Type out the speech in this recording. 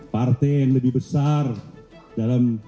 partai yang lebih besar dalam